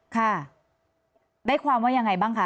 ค่ะได้ความว่ายังไงบ้างคะ